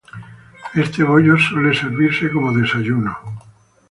Este bollo suele servirse como desayuno.